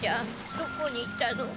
どこに行ったの？